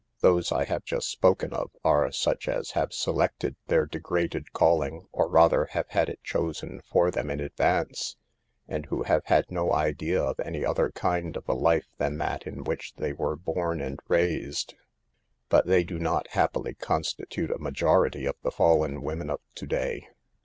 Those I have just spoken of are such as have selected their degraded calling, or rather, have had it chosen for them in advance, and who have no idea of any other kind of a life than that in which they were born and raised. But they do not, happily, constitute a majority of the fallen women of to day.